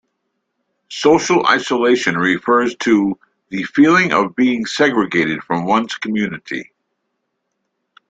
Social isolation refers to "The feeling of being segregated from one's community".